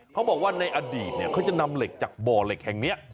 เขาบอกว่าในอดีตเขาจะนำเหล็กจากบ่อเหล็กแห่งนี้